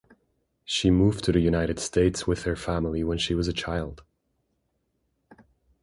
She moved to the United States with her family when she was a child.